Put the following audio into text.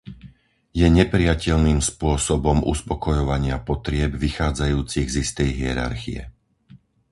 Je neprijateľným spôsobom uspokojovania potrieb vychádzajúcich z istej hierarchie.